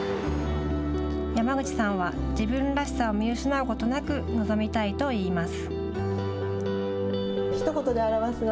山口さんは、自分らしさを見失うことなく臨みたいといいます。